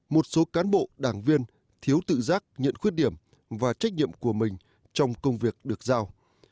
một số cán bộ đảng viên thiếu tự giác nhận khuyết điểm và trách nhiệm của mình trong công việc được giao